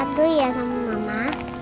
aku mau sholat dulu ya sama mama